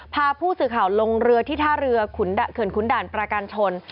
พาผู้สื่อข่าวลงเรือที่ท่าเรือเขื่อนขุนด่านประกันชน